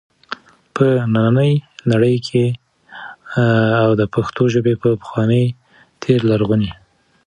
په ننی نړۍ کي او د پښتو ژبي په پخواني تیر لرغوني